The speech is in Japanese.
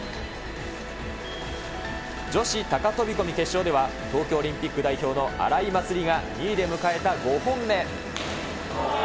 女子高飛込決勝では、東京オリンピック代表の荒井祭里が２位で迎えた５本目。